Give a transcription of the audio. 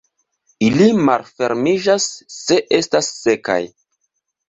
Ili malfermiĝas se estas sekaj.